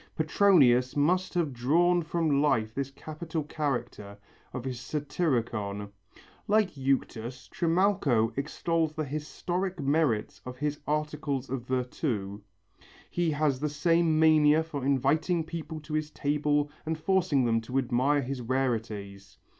Petronius must have drawn from life this capital character of his Satyricon. Like Euctus, Trimalcho extols the historical merits of his articles of virtu; he has the same mania for inviting people to his table and forcing them to admire his rarities.